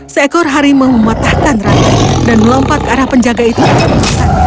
seekor harimau mematahtan rakyatnya dan melompat ke arah penjaga itu untuk mengemaskannya